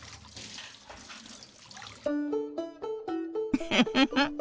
フフフフ。